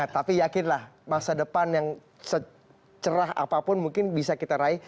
tapi yakinlah masa depan yang secerah apapun mungkin bisa kita raih